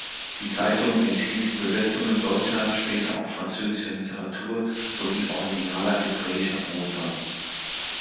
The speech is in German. Die Zeitung enthielt Übersetzungen deutscher, später auch französischer Literatur sowie originaler hebräischer Prosa.